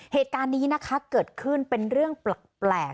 เหตุการณ์นี้นะคะเกิดขึ้นเป็นเรื่องแปลก